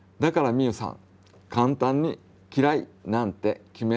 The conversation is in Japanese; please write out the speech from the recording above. みゆさん